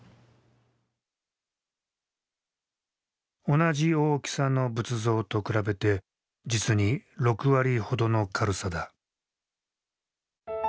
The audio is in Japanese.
同じ大きさの仏像と比べて実に６割ほどの軽さだ。